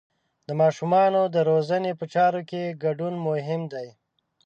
د ماشومانو د روزنې په چارو کې ګډون مهم دی.